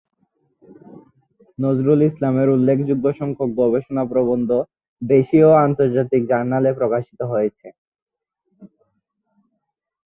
নজরুল ইসলামের উল্লেখযোগ্য সংখ্যক গবেষণা প্রবন্ধ দেশীয় ও আন্তর্জাতিক জার্নালে প্রকাশিত হয়েছে।